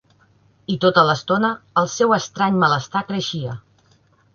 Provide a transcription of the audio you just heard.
I tota l'estona, el seu estrany malestar creixia.